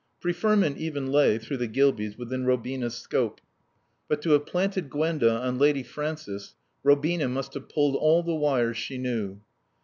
Preferment even lay (through the Gilbeys) within Robina's scope. But to have planted Gwenda on Lady Frances Robina must have pulled all the wires she knew.